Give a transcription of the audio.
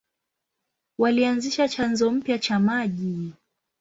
Walianzisha chanzo mpya cha maji.